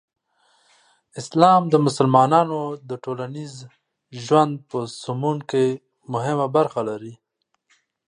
اسلام د مسلمانانو د ټولنیز ژوند په سمون کې مهمه برخه لري.